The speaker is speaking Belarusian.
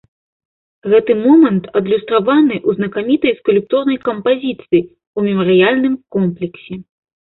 Гэты момант адлюстраваны ў знакамітай скульптурнай кампазіцыі ў мемарыяльным комплексе.